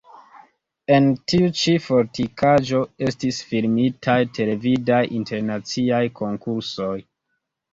En tiu ĉi fortikaĵo estis filmitaj televidaj internaciaj konkursoj.